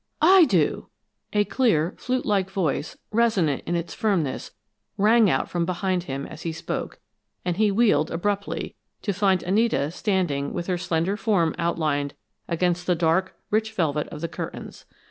"I do!" A clear, flute like voice, resonant in its firmness, rang out from behind him as he spoke, and he wheeled abruptly, to find Anita standing with her slender form outlined against the dark, rich velvet of the curtains.